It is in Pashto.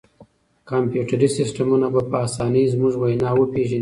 کمپیوټري سیسټمونه به په اسانۍ زموږ وینا وپېژني.